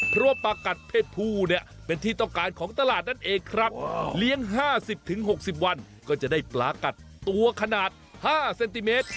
เพราะว่าปลากัดเพศผู้เนี่ยเป็นที่ต้องการของตลาดนั่นเองครับเลี้ยง๕๐๖๐วันก็จะได้ปลากัดตัวขนาด๕เซนติเมตร